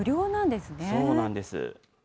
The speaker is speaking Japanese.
そうなんです。